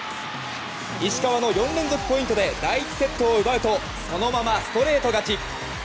石川の４連続ポイントで第１セットを奪うとそのままストレート勝ち。